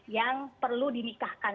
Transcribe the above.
yang perlu dimikahkan